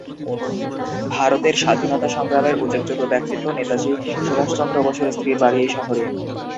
ভারতের স্বাধীনতা সংগ্রামের উল্লেখযোগ্য ব্যক্তিত্ব নেতাজী সুভাষ চন্দ্র বসুর স্ত্রীর বাড়ি এই শহরে।